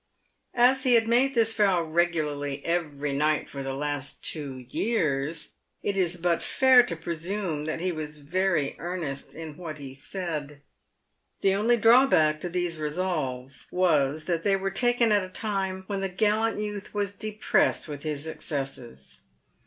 As he had made this vow regularly every night for the last two years, it is but fair to presume that he was very earnest in what he said. PAVED WITH GOLD. 199 The only drawback to these resolves was that they were taken at a time when the gallant youth was depressed with his excesses.